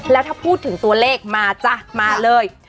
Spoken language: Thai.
แล้วถ้าพูดถึงตัวเลขมาจ้ะมาเลย